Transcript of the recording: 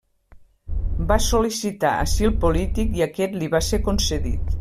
Va sol·licitar asil polític i aquest li va ser concedit.